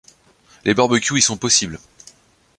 Les barbecues y sont possibles.